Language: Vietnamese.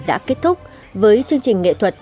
đã kết thúc với chương trình nghệ thuật